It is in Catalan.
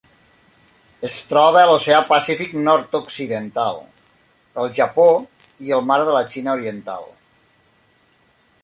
Es troba a l'Oceà Pacífic nord-occidental: el Japó i el Mar de la Xina Oriental.